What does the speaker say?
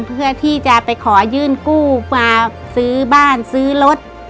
เพื่อที่จะไปขอยื่นกู้มาซื้อบ้านซื้อรถ